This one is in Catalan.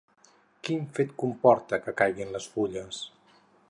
Quin fet comporta que caiguin les fulles?